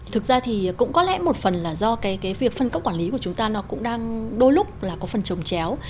thực ra thì cũng có lẽ một phần là do cái việc phân cấp quản lý của chúng ta nó cũng đang đôi lúc là có phần trồng chéo